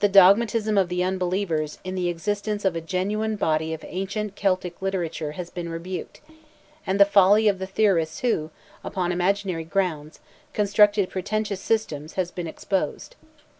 The dogmatism of the unbelievers in the existence of a genuine body of ancient Celtic literature has been rebuked; and the folly of the theorists who, upon imaginary grounds, constructed pretentious systems, has been exposed.